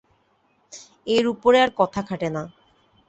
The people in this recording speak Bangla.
এর উপরে আর কথা খাটে না।